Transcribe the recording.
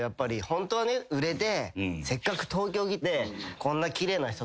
ホントはね売れてせっかく東京来て。